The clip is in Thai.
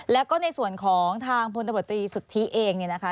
แล้วก็ในส่วนของทางพลตำรวจตรีสุทธิเองเนี่ยนะคะ